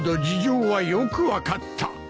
事情はよく分かった。